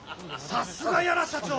さすが屋良社長！